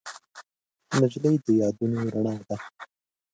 نجلۍ د یادونو رڼا ده.